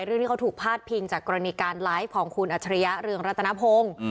ที่เขาถูกพาดพิงจากกรณีการไลฟ์ของคุณอัจฉริยะเรืองรัตนพงศ์